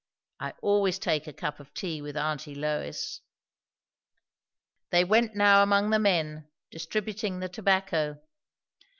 I always take a cup of tea with aunty Lois." They went now among the men, distributing the tobacco.